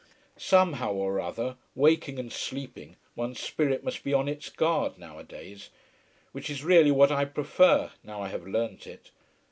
Somehow or other, waking and sleeping one's spirit must be on its guard nowadays. Which is really what I prefer, now I have learnt it.